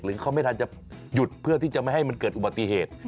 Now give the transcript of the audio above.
เขาไม่ทันจะหยุดเพื่อที่จะไม่ให้มันเกิดอุบัติเหตุ